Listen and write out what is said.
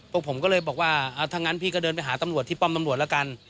พวกผมก็เลยบอกว่าถ้างั้นพี่ก็เดินไปหาตำรวจที่ป้อมตำรวจแล้วกัน